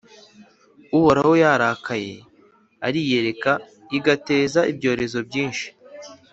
Uhoraho yarakaye arayireka igateza ibyorezo byinshi,